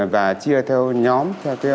và chia theo nhóm